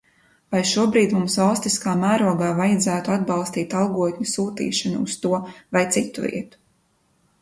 Vai šobrīd mums valstiskā mērogā vajadzētu atbalstīt algotņu sūtīšanu uz to vai citu vietu?